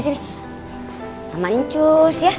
sama ncus ya